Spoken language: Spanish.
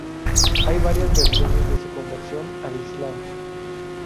Hay varias versiones de su conversión al islam.